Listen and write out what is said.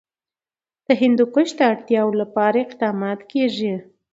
د هندوکش د اړتیاوو لپاره اقدامات کېږي.